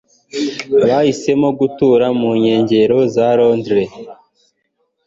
Bahisemo gutura mu nkengero za London.